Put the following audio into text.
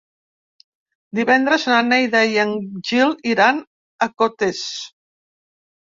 Divendres na Neida i en Gil iran a Cotes.